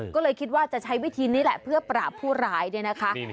ก็เลยคิดว่าจะใช้วิธีนี้แหละเพื่อปราบผู้ร้ายเนี่ยนะคะ